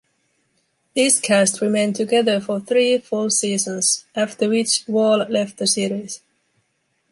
This cast remained together for three full seasons, after which Wahl left the series.